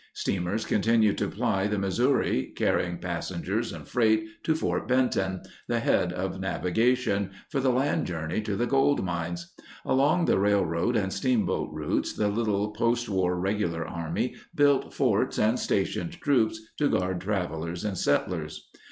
Steamers continued to ply the Mis souri, carrying passengers and freight to Fort Benton, the head of navigation, for the land journey to the gold mines. Along the railroad and steamboat routes the little postwar regular Army built forts and sta tioned troops to guard travelers and settlers.